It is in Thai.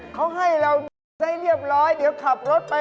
เขาให้เราซะเรียบร้อยเดี๋ยวขับรถไป